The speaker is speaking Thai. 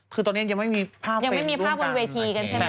คือตอนนี้ยังไม่มีภาพเป็นร่วมการ